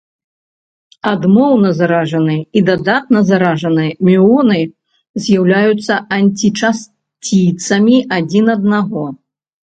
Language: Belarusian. Адмоўна зараджаны і дадатна зараджаны мюоны з'яўляюцца антычасціцамі адзін аднаго.